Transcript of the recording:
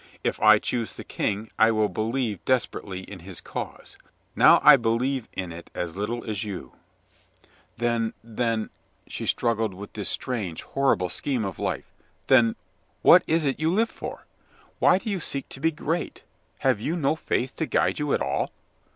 If I choose the King, I will believe desperately in his cause. Now I believe in it as little as you." "Then — then" — she struggled with this strange, horrible scheme of life — "then what is'tyou live for? Why do you seek to be great ? Have you no faith to guide you at all